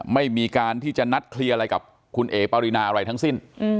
ไม่มีการที่จะนัดเคลียร์อะไรกับคุณเอ๋ปารินาอะไรทั้งสิ้น